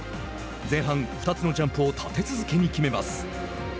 前半、２つのジャンプを立て続けに決めます。